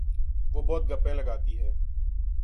وہ بہت گپیں لگاتی ہے